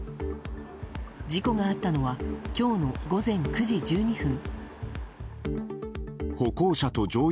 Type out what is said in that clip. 事故があったのは今日の午前９時１２分。